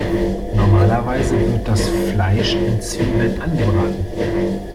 Normalerweise wird das Fleisch in Zwiebeln angebraten.